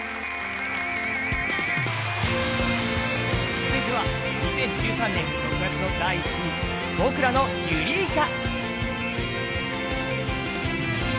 続いては２０１３年６月の第１位「僕らのユリイカ」。